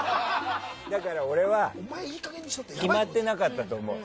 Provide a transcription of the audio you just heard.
俺は、決まってなかったと思う。